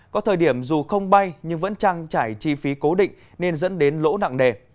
có thời điểm dù không bay nhưng vẫn trăng trải chi phí cố định nên dẫn đến lỗ nặng nề